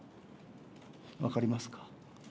分かりますか？